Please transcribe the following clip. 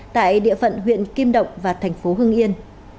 tại địa phận huyện kim động và thành phố hưng yên